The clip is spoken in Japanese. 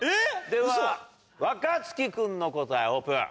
では若槻君の答えオープン。